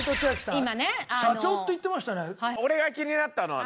社長って言ってましたね。